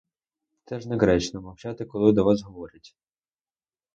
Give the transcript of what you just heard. Це ж неґречно — мовчати, коли до вас говорять.